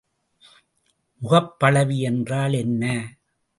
முகப்பளவி என்றால் என்ன?